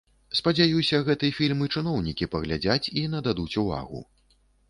Спадзяюся, гэты фільм і чыноўнікі паглядзяць, і нададуць увагу.